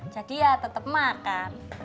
jadi ya tetap makan